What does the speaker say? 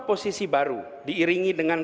posisi baru diiringi dengan